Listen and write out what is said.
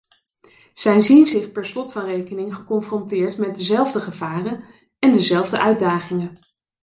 Zij zien zich per slot van rekening geconfronteerd met dezelfde gevaren en dezelfde uitdagingen.